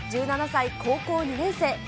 １７歳高校２年生。